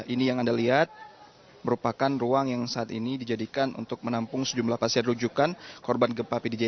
ini yang anda lihat merupakan ruang yang saat ini dijadikan untuk menampung sejumlah pasien rujukan korban gempa pdj